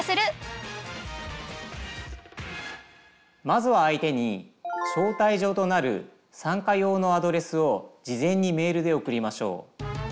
まずは相手に招待状となる参加用のアドレスを事前にメールで送りましょう。